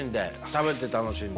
食べて楽しんで。